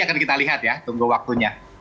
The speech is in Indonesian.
akan kita lihat ya tunggu waktunya